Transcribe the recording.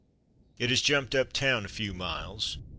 It has jumped up town a few miles.